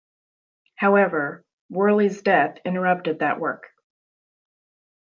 However, Worley's death interrupted that work.